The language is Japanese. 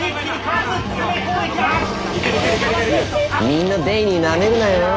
みんなデイニーなめるなよ。